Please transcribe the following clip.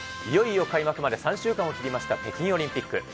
いよいよ開幕まで３週間を切りました北京オリンピック。